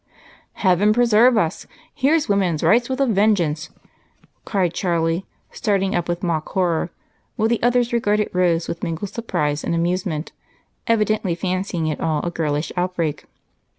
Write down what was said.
"Heaven preserve us! Here's woman's rights with a vengeance!" cried Charlie, starting up with mock horror, while the others regarded Rose with mingled surprise and amusement, evidently fancying it all a girlish outbreak.